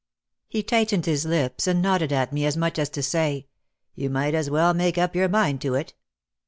He tightened his lips and nodded at me as much as to say, "You might as well make up your mind to it."